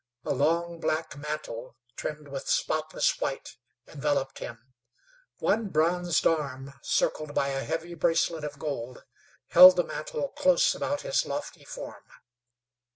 A long, black mantle, trimmed with spotless white, enveloped him. One bronzed arm, circled by a heavy bracelet of gold, held the mantle close about his lofty form.